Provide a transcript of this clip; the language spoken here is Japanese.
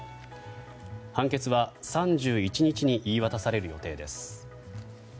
判決は３１日に言い渡される予定です。